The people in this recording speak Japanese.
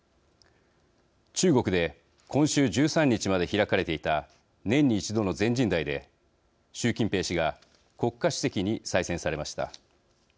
中国で今週１３日まで開かれていた年に１度の全人代で習近平氏が国家主席に再選されました。